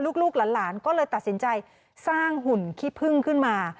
ลูกหลานก็เลยตัดสินใจสร้างหุ่นขี้พึ่งขึ้นมา